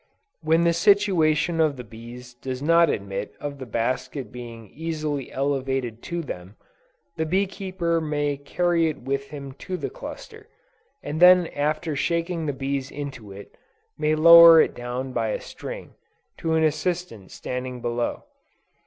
When the situation of the bees does not admit of the basket being easily elevated to them, the bee keeper may carry it with him to the cluster, and then after shaking the bees into it, may lower it down by a string, to an assistant standing below.